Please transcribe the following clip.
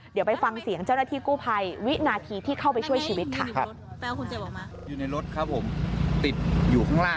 เดี๋ยวไปฟังเสียงเจ้าหน้าที่กู้ภัยวินาทีที่เข้าไปช่วยชีวิตค่ะ